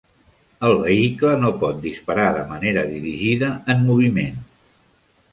El vehicle no pot disparar de manera dirigida en moviment.